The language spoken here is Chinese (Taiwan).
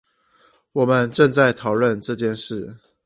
我們正在討論這件事